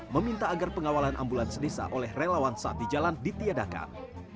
meminta agar pengawalan ambulans desa oleh relawan saat di jalan ditiadakan